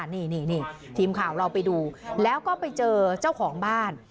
นี่ทีมข่าวเราไปดูแล้วก็ไปเจอเจ้าของบ้าน